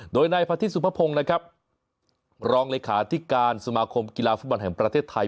โดยนายพระทิตสุภพงศ์นะครับรองเลขาธิการสมาคมกีฬาฟุตบอลแห่งประเทศไทย